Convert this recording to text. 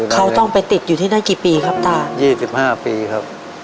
เขาต้องไปติดอยู่ที่นั่นกี่ปีครับตา๒๕ปีครับ